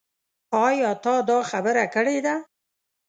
ايا تا دا خبره کړې ده ؟